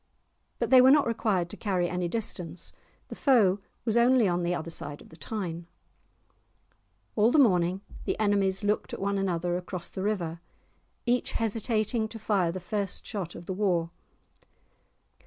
But they were not required to carry any distance, the foe was only on the other side of the Tyne. All the morning the enemies looked at one another across the river, each hesitating to fire the first shot of the war.